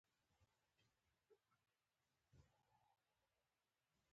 عاشقان د سر تلي کې ګرځي.